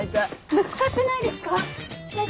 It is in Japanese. ぶつかってないですか？